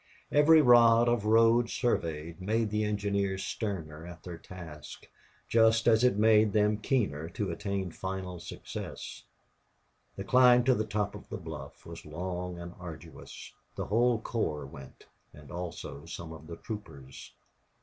Every rod of road surveyed made the engineers sterner at their task, just as it made them keener to attain final success. The climb to the top of the bluff was long and arduous. The whole corps went, and also some of the troopers.